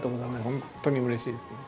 本当にうれしいですね。